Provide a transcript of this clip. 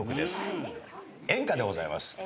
演歌でございます。